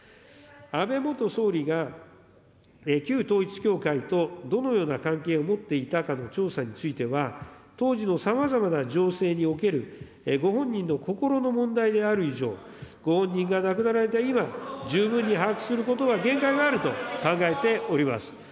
安倍元総理が旧統一教会とどのような関係を持っていたかの調査については、当時のさまざまな情勢におけるご本人の心の問題である以上、ご本人が亡くなられた今、十分に把握することは限界があると考えております。